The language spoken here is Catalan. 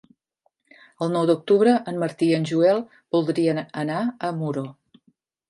El nou d'octubre en Martí i en Joel voldrien anar a Muro.